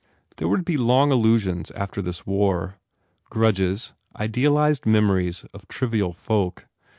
There would be long illusions after this war. Grudges, idealized memories of trivial folk.